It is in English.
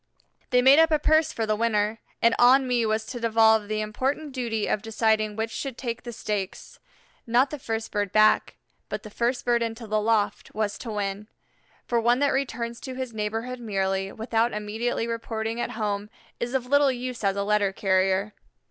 They made up a purse for the winner, and on me was to devolve the important duty of deciding which should take the stakes. Not the first bird back, but the first bird into the loft, was to win, for one that returns to his neighborhood merely, without immediately reporting at home, is of little use as a letter carrier.